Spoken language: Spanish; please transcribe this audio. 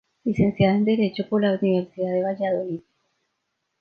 Licenciada en Derecho por la Universidad de Valladolid.